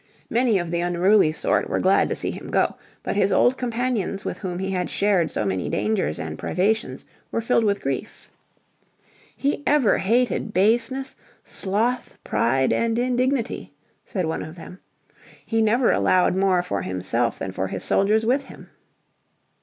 Many of the unruly sort were glad to see him go, but his old companions with whom he had shared so many dangers and privations were filled with grief. "He ever hated baseness, sloth, pride and indignity," said one of them. "He never allowed more for himself than for his soldiers with him.